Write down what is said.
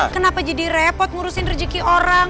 kenapa jadi repot ngurusin rezeki orang